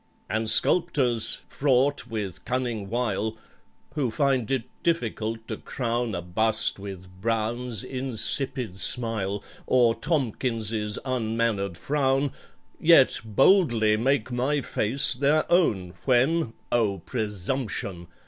"And sculptors, fraught with cunning wile, Who find it difficult to crown A bust with BROWN'S insipid smile, Or TOMKINS'S unmannered frown, "Yet boldly make my face their own, When (oh, presumption!)